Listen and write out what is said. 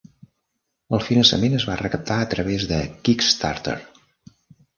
El finançament es va recaptar a través de Kickstarter.